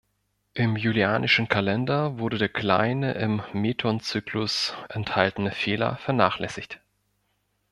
Im julianischen Kalender wurde der kleine im Meton-Zyklus enthaltene Fehler vernachlässigt.